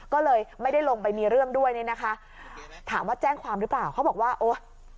ก็เลยไม่ได้ลงไปมีเรื่องด้วยเนี่ยนะคะถามว่าแจ้งความหรือเปล่าเขาบอกว่าโอ๊ย